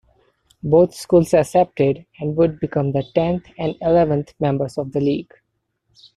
Both schools accepted and would become the tenth and eleventh members of the league.